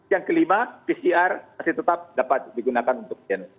yang kelima pcr masih tetap dapat digunakan untuk gen